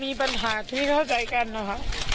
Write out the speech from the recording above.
มีปัญหาที่เข้าใจกันนะคะ